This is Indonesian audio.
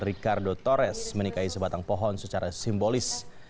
ricardo torres menikahi sebatang pohon secara simbolis